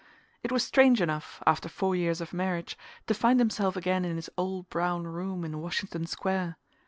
It was strange enough, after four years of marriage, to find himself again in his old brown room in Washington Square.